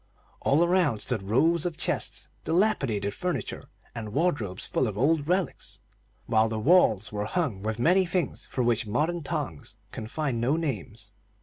All around stood rows of chests, dilapidated furniture, and wardrobes full of old relics, while the walls were hung with many things for which modern tongues can find no names.